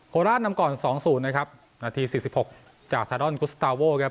โคราชนำก่อนสองศูนย์นะครับนาทีสี่สิบหกจากทารอนกุสตาโวครับ